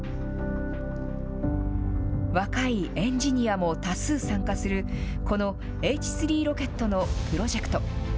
若いエンジニアも多数参加する、このＨ３ロケットのプロジェクト。